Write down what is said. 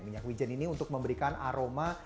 minyak wijen ini untuk memberikan aroma